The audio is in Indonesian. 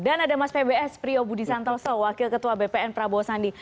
dan ada mas pbs prio budi santoso wakil ketua bpn prabowo sandi